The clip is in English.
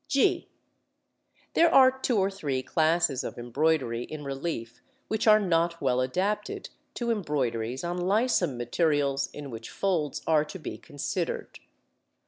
(g) There are two or three classes of embroidery in relief which are not well adapted to embroideries on lissome materials in which folds are to be considered.